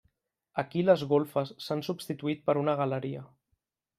Aquí les golfes s'han substituït per una galeria.